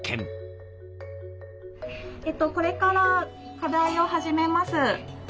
これから課題を始めます。